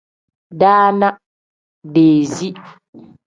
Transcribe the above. Daana pl: deezi n.